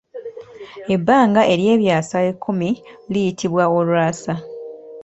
Ebbanga eryebyaasa ekkumi liyitibwa olwasa.